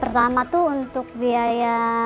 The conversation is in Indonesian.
pertama tuh untuk biaya